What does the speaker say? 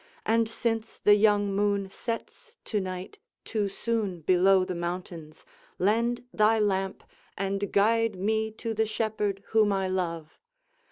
and since the young moon sets to night Too soon below the mountains, lend thy lamp And guide me to the shepherd whom I love.